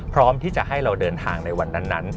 พร้อมที่จะให้เราเดินทางในวันนั้น